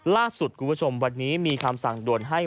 ล่าสุดคุณผู้ชมวันนี้มีคำสั่งด่วนให้